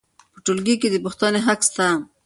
په ټولګي کې د پوښتنې حق سته.